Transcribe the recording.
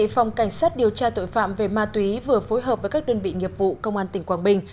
phòng cảnh sát điều tra tội phạm về ma túy vừa phối hợp với các đơn vị nghiệp vụ công an tỉnh quảng bình